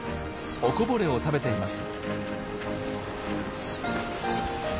おこぼれを食べています。